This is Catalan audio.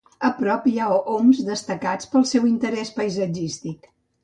A prop hi ha oms destacats pel seu interès paisatgístic.